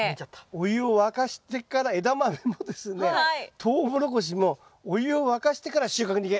お湯を沸かしてからエダマメもですねトウモロコシもお湯を沸かしてから収穫に行け！